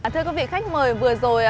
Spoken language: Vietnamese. thưa quý vị khách mời vừa rồi